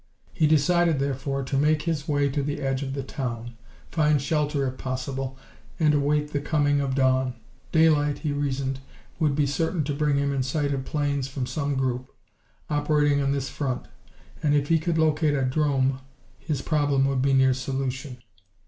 He decided, therefore, to make his way to the edge of the town, find shelter if possible, and await the coming of dawn. Daylight, he reasoned, would be certain to bring him in sight of planes from some group, operating on this front, and if he could locate a 'drome his problem would be near solution.